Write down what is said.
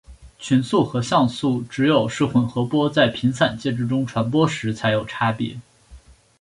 群速和相速只有是混合波在频散介质中传播时才有差别。